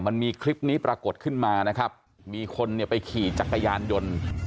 มันมีคลิปนี้ปรากฏขึ้นมานะครับมีคนเนี่ยไปขี่จักรยานยนต์